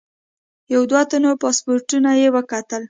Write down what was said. یو دوه تنو پاسپورټونه یې وکتل.